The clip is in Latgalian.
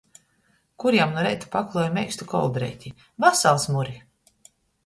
Kur jam nu reita pakluoju meikstu koldreiti. Vasals, Muri!